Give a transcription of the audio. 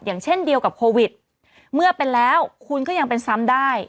อย่างเช่นเดียวกับโควิดเมื่อเป็นแล้วคุณก็ยังเป็นซ้ำได้